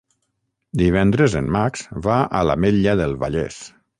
Divendres en Max va a l'Ametlla del Vallès.